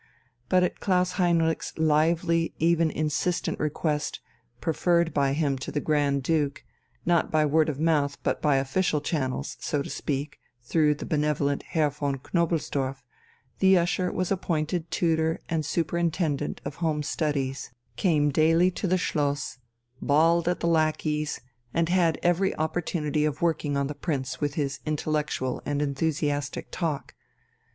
But at Klaus Heinrich's lively, even insistent request, preferred by him to the Grand Duke, not by word of mouth but by official channels, so to speak, through the benevolent Herr von Knobelsdorff, the usher was appointed tutor and superintendent of home studies, came daily to the Schloss, bawled at the lackeys, and had every opportunity of working on the Prince with his intellectual and enthusiastic talk.